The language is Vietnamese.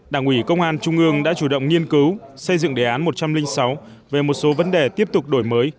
đảng ủy công an trung ương đã chủ động nghiên cứu xây dựng đề án một trăm linh sáu về một số vấn đề tiếp tục đổi mới